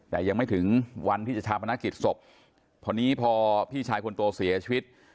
แต่ยังไม่ถึงวันที่จะชาวพนักกิจศพพอนี้พอพี่ชายคนโตเสียชีวิต